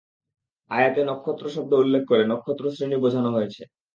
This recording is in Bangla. আয়াতে নক্ষত্র শব্দ উল্লেখ করে নক্ষত্র শ্রেণী বুঝানো হয়েছে।